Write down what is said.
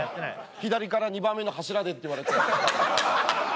左から２番目の柱でって言われて。